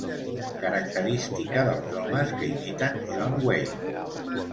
Característica dels homes que imiten John Wayne.